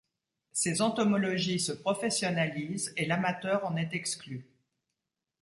Ces entomologies se professionnalisent et l'amateur en est exclu.